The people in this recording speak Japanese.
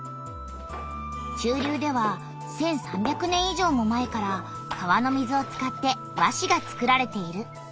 中流では１，３００年いじょうも前から川の水を使って和紙が作られている。